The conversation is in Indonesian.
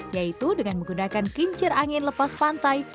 yaitu dengan menggunakan kincir angin lepas pantai